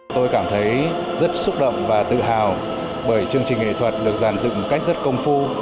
tôi cảm thấy rất xúc động và tự hào bởi chương trình nghệ thuật được giàn dựng một cách rất công phu